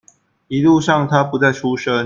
一路上他不再出聲